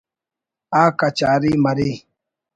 آ کچاری مرے